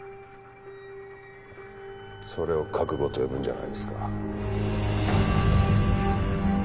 それを覚悟と呼ぶんじゃないですか？